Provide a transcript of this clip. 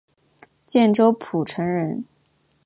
建州浦城人。